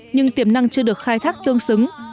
nhưng tiềm năng chưa được khai thác tương xứng